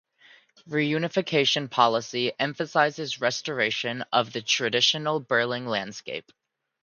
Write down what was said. Reunification policy emphasised restoration of the traditional Berlin landscape.